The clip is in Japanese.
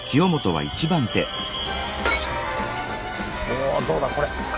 おおっどうだこれ。